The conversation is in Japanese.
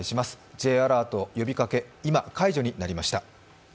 Ｊアラート呼びかけ、今解除になりました。